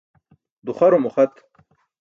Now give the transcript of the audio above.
Duxarum uxat.